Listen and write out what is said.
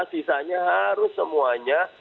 sisanya harus semuanya